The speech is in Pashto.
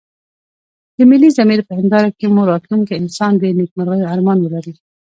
د ملي ضمير په هنداره کې مو راتلونکی انسان د نيکمرغيو ارمان ولري.